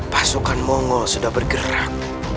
pasukan mongol sudah bergerak